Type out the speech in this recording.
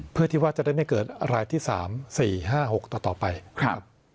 เพื่อที่ว่าจะได้ไม่เกิดรายที่สามสี่ห้าหกต่อต่อไปครับ